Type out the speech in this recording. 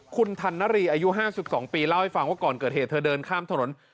คุณธันนรีอายุ๕๒ปีเล่าให้ฟังว่าก่อนเกิดเหตุเธอเดินข้ามถนน